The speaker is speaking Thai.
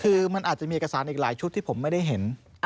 คือมันอาจจะมีเอกสารอีกหลายชุดที่ผมไม่ได้เห็น